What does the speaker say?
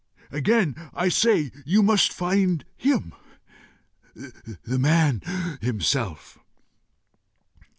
Again I say, you must find him the man himself.